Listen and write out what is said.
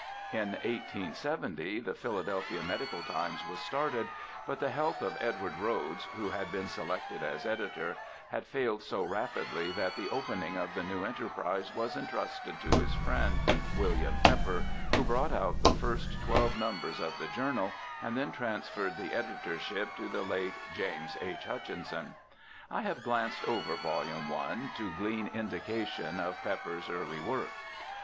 In 1870 The Philadelphia Medical Times was started, but the health of Edward Rhoads, who had been selected as editor, had failed so rapidly that the opening 2i6 BIOGRAPHICAL ESSAYS of the new enterprise was entrusted to his friend, William Pepper, who brought out the first twelve numbers of the journal, and then transferred the editor ship to the late James H. Hutchinson. I have glanced over vol. i, to glean indications of Pepper's early work.